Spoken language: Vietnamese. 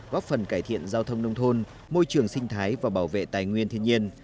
góp phần cải thiện giao thông nông thôn môi trường sinh thái và bảo vệ tài nguyên thiên nhiên